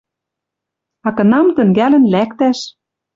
А кынам тӹнгӓлӹн лӓктӓш